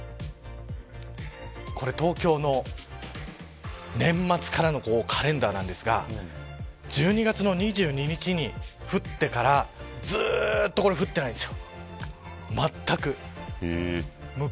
これ、東京の年末からのカレンダーなんですが１２月の２２日に降ってからずっと降ってないんですよ。